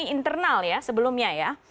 internal ya sebelumnya ya